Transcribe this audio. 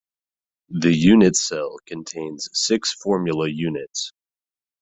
The unit cell contains six formula units.